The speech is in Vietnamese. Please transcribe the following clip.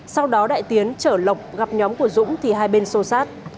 sau đó đại tiến chở lộc gặp nhóm của dũng thì hai bên xô sát